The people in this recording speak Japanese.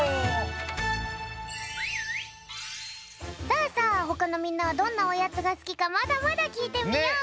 さあさあほかのみんなはどんなおやつがすきかまだまだきいてみよう。